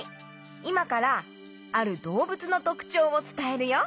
いまからあるどうぶつのとくちょうをつたえるよ。